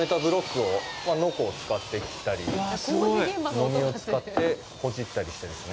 のみを使ってほじったりしているんですね。